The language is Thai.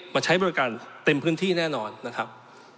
ใช้บริการเต็มพื้นที่แน่นอนนะครับ